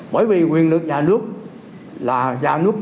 bởi vì quyền lực nhà nước là